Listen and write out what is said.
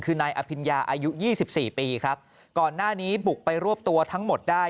คือนายอภิญญาอายุยี่สิบสี่ปีครับก่อนหน้านี้บุกไปรวบตัวทั้งหมดได้